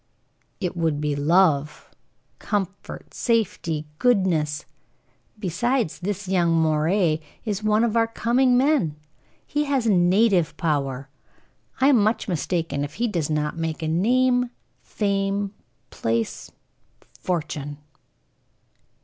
"It would be love, comfort, safety, goodness. Besides, this young Moray is one of our coming men. He has native power. I am much mistaken if he does not make a name, fame, place, fortune."